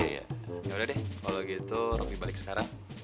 yaudah deh kalau gitu robby balik sekarang